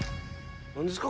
何ですか？